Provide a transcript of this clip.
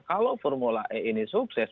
kalau formula e ini sukses